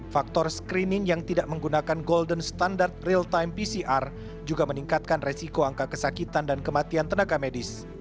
faktor screening yang tidak menggunakan golden standard real time pcr juga meningkatkan resiko angka kesakitan dan kematian tenaga medis